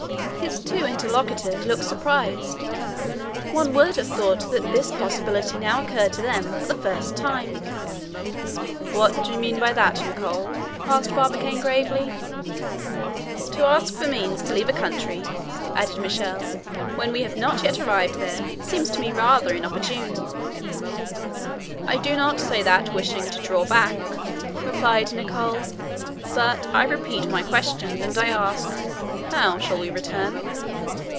His two interlocutors looked surprised. One would have thought that this possibility now occurred to them for the first time. "What do you mean by that, Nicholl?" asked Barbicane gravely. "To ask for means to leave a country," added Michel, "When we have not yet arrived there, seems to me rather inopportune." "I do not say that, wishing to draw back," replied Nicholl; "but I repeat my question, and I ask, 'How shall we return?